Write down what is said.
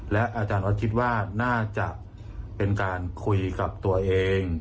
และอาจารย์ออสคิดว่าน่าจะเป็นการคุยกับตัวเอง